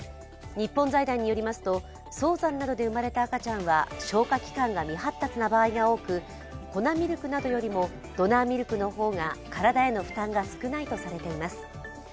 日本財団によりますと、早産などで生まれた赤ちゃんは消化器官が未発達な場合が多く、粉ミルクなどよりもドナーミルクの方が体への負担が少ないとされています。